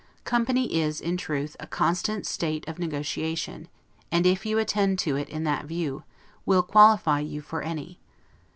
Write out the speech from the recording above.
Company is, in truth, a constant state of negotiation; and, if you attend to it in that view, will qualify you for any.